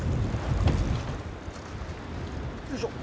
よいしょ。